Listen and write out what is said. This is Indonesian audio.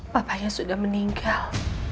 papanya sudah meninggal